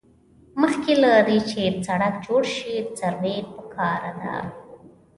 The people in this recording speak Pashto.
مخکې له دې چې سړک جوړ شي سروې پکار ده